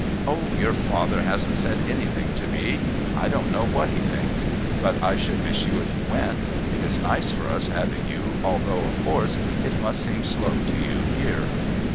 "Oh, your father hasn't said anything to me. I don't know what he thinks. But I should miss you if you went. It is nice for us having you, although, of course, it must seem slow to you here."